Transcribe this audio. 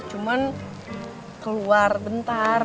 cuman keluar bentar